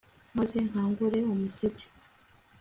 maze nkangure umuseke